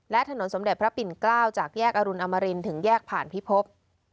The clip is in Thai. และถนนสมเด็จพระปิ่นเกล้าจากแยกอรุณอมรินถึงแยกผ่านพิภพ